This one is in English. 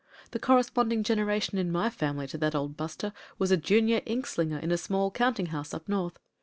The corresponding generation in my family to that old buster was a junior inkslinger in a small counting house up North.